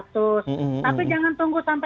tapi jangan tunggu sampai sembilan puluh empat